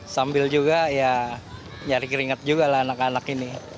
sambil juga ya nyari keringet juga lah anak anak ini